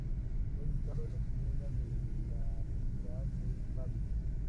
Fue educado en la escuela de la catedral de Pavia.